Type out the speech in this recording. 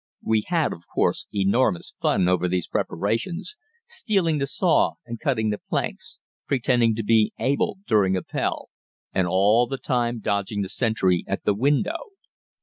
We had, of course, enormous fun over these preparations, stealing the saw and cutting the planks, pretending to be Abel doing Appell, and all the time dodging the sentry at the window.